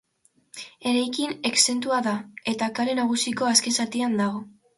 Eraikin exentua da eta Kale Nagusiko azken zatian dago.